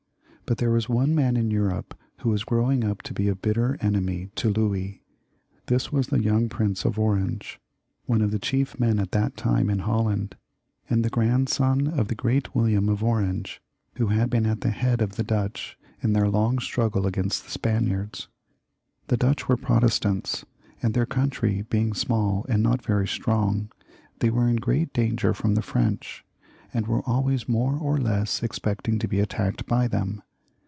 But there was one man in Europe who was growing up to be a bitter enemy to Louis. This was the young Prince of Orange, one of the chief men at that time in Holland, the grandson of the great William of Orange, who had been at the head of the Dutch in their long struggle against the Spaniards. The Dutch were Pro testants, and their country being small and not very strong, they were in great danger from the French, and were always more or less expecting to be attacked by them.